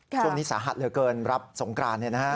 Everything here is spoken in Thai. ช่วงนี้สาหัสเหลือเกินรับสงกราน